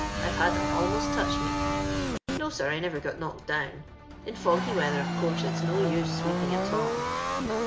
I've had them almost touch me. " No, sir, I never got knocked down. In foggy weather, of course, it's no use sweeping at all.